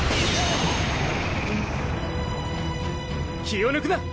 気をぬくな！